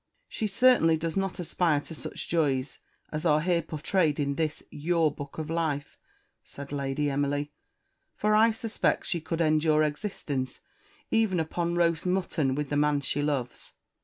"She certainly does not aspire to such joys as are here portrayed in this your book of life," said Lady Emily; "for I suspect she could endure existence even upon roast mutton with the man she loves."